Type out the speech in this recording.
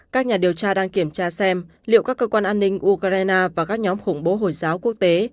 các nhà điều tra đang kiểm tra xem liệu các cơ quan an ninh ukraine và các nhóm khủng bố hồi giáo quốc tế